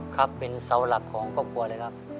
ครับเป็นเสาหลักของครอบครัวเลยครับ